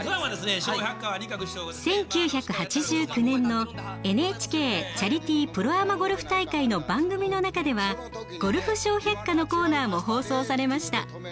１９８９年の「ＮＨＫチャリティープロアマゴルフ大会」の番組の中では「ゴルフ笑百科」のコーナーも放送されました。